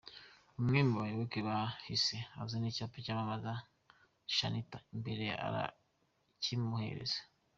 Umwe mu bayoboke be yahise azana icyapa cyamamaza Shanitah imbere arakimuhereza.